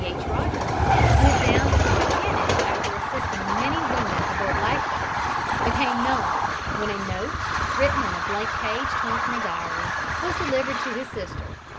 H. Rogers, went down with the Titanic after assisting many women aboard life boats, became known when a note, written on a blank page torn from a diary: was delivered to his sister.